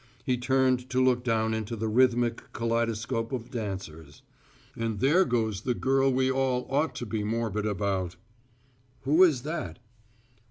He turned to look down into the rhythmic kaleidoscope of dancers. "And there goes the girl we all ought to be morbid about." "Who is that?"